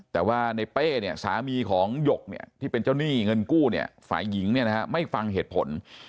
แต่ว่าในเป้เนี่ยสามีของหยกเนี่ยที่เป็นเจ้าหนี้เงินกู้เนี่ยฝ่ายหญิงเนี่ยนะฮะไม่ฟังเหตุผล